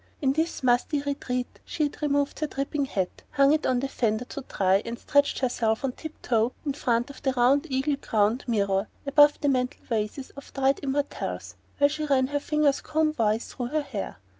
In this musty retreat she had removed her dripping hat, hung it on the fender to dry, and stretched herself on tiptoe in front of the round eagle crowned mirror, above the mantel vases of dyed immortelles, while she ran her fingers comb wise through her hair.